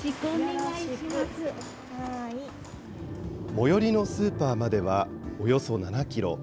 最寄りのスーパーまではおよそ７キロ。